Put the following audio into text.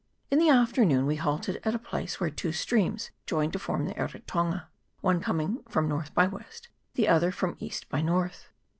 In the afternoon we halted at a place where two streams joined to form the Eritonga, one coming from north by west, the other from east by north.